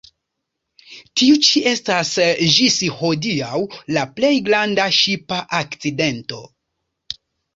Tiu ĉi estas ĝis hodiaŭ la plej granda ŝipa akcidento.